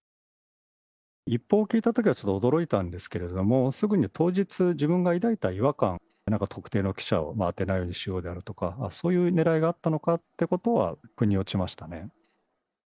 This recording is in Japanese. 一報を聞いたときはちょっと驚いたんですけれども、すぐに当日、自分が抱いた違和感、特定の記者を当てないようにしようであるとか、そういうねらいがあったのかってことはふに落ちましたね。